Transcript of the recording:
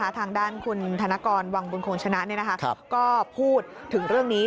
ทางด้านคุณธนกรวังบุญคงชนะก็พูดถึงเรื่องนี้